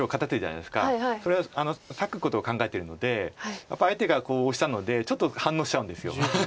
それは裂くことを考えてるのでやっぱり相手がオシたのでちょっと反応しちゃうんです。